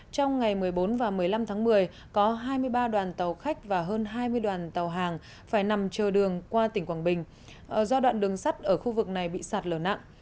trong ngày một mươi bốn và một mươi năm tháng một mươi có hai mươi ba đoàn tàu khách và hơn hai mươi đoàn tàu hàng phải nằm chờ đường qua tỉnh quảng bình do đoạn đường sắt ở khu vực này bị sạt lở nặng